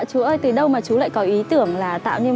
chú ơi từ đâu mà chú lại có ý tưởng là tạo ra loại cây này